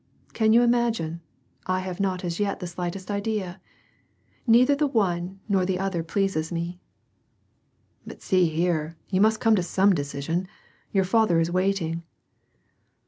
''Can you imagine, I have not as yet the slightest idea. Neither the one, nor the other pleases me." "But see here, you must come to some decision. Your father is waiting."